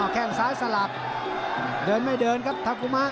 แค่งซ้ายสลับเดินไม่เดินครับทากุมา